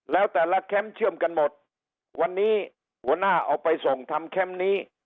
แล้วแต่ละแคมป์เชื่อมกันหมดวันนี้หัวหน้าเอาไปส่งทำแคมป์นี้